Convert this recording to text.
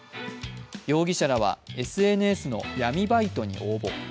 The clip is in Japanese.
容疑者らはＳＮＳの闇バイトに応募。